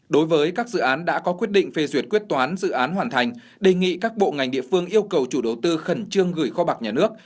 đối với các dự án đã có quyết định phê duyệt quyết toán dự án hoàn thành đề nghị các bộ ngành địa phương yêu cầu chủ đầu tư khẩn trương gửi kho bạc nhà nước